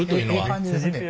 ええ感じですね。